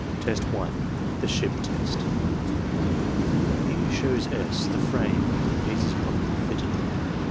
Test 1.— The Ship Test E. shows S. the frame with the pieces properly fitted therein.